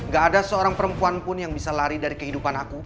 gak ada seorang perempuan pun yang bisa lari dari kehidupan aku